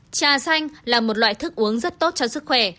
trà xanh là một loại thức uống rất tốt cho sức khỏe